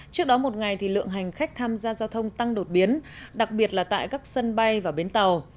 trước đó một ngày thì lượng hành khách tham gia giao thông tăng đột biến đặc biệt là tại các sân bay và bến tàu